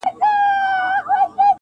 د هر پلار كيسه د زوى په وينو سره ده!